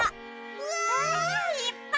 うわ！いっぱい。